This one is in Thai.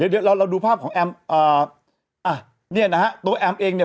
เดี๋ยวเราเราดูภาพของแอมอ่าอ่ะเนี่ยนะฮะตัวแอมเองเนี่ย